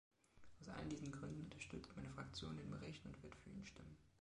Aus allen diesen Gründen unterstützt meine Fraktion den Bericht und wird für ihn stimmen.